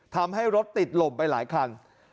ทำให้รถติดหล่มไปหลายคัน